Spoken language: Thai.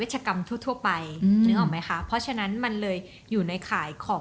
มีทางไม่ปิดหรอกแต่พอปิดเสร็จก็เอาเช็นน้ำตากูหน่อยละกัน